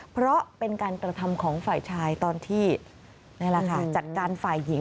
เพราะเป็นการตรธรรมของฝ่ายชายตอนที่จัดการฝ่ายหญิง